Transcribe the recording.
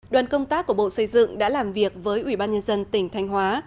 đoàn công tác của bộ xây dựng đã làm việc với ủy ban nhân dân tỉnh thanh hóa